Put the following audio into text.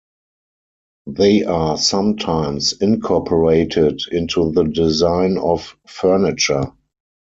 They are sometimes incorporated into the design of furniture.